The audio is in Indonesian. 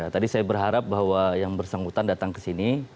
tadi saya berharap bahwa yang bersangkutan datang ke sini